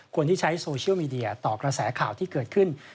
คนที่ใช้โซเชียลมีเดียต่อกระแสข่าวที่เกิดขึ้น